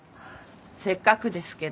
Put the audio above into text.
せっかくですけど。